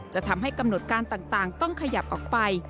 จะทำให้กำหนดการต่างต้องขยับออกไป